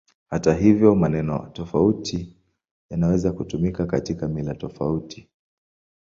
Hata hivyo, maneno tofauti yanaweza kutumika katika mila tofauti.